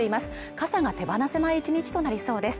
傘が手放せない１日となりそうです。